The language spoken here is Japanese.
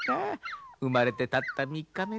生まれてたった３日目だ。